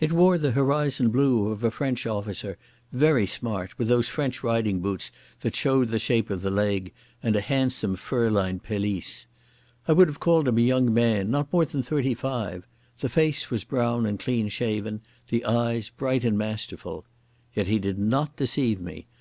It wore the horizon blue of a French officer, very smart, with those French riding boots that show the shape of the leg, and a handsome fur lined pelisse. I would have called him a young man, not more than thirty five. The face was brown and clean shaven, the eyes bright and masterful.... Yet he did not deceive me.